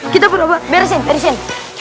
kita beresin beresin